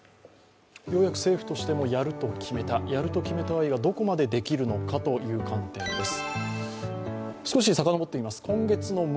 ようやく政府としても、やると決めた、やると決めたはいいが、どこまでやるかという観点です。